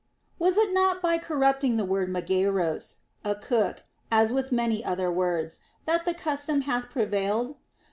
Was it not by corrupting the word μάγειρος, a cook, as with many other words, that the custom hath pre vailed?